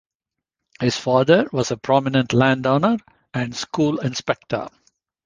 His father was a prominent landowner and school inspector.